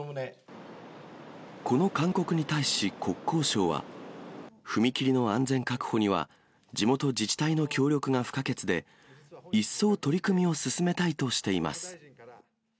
この勧告に対し国交省は、踏切の安全確保には地元自治体の協力が不可欠で、一層取り組みを進めたいとしています。